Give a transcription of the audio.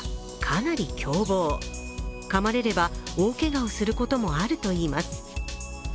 かまれれば大けがをすることもあるといいます。